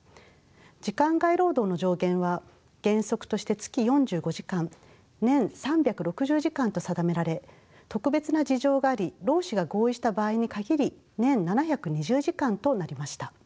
時間外労働の上限は原則として月４５時間年３６０時間と定められ特別な事情があり労使が合意した場合に限り年７２０時間となりました。